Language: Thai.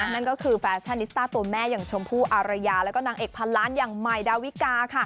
นั่นก็คือแฟชั่นนิสต้าตัวแม่อย่างชมพู่อารยาแล้วก็นางเอกพันล้านอย่างใหม่ดาวิกาค่ะ